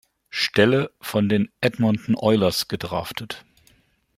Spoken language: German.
Stelle von den Edmonton Oilers gedraftet.